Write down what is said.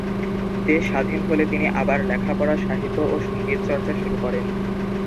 দেশ স্বাধীন হলে তিনি আবার লেখাপড়া, সাহিত্য ও সংগীত চর্চা শুরু করেন।